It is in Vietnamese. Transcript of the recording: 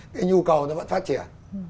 cái nhu cầu nó vẫn phát triển